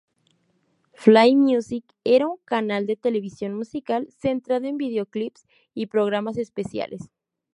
Fly Music era un canal de televisión musical, centrado en videoclips y programas especiales.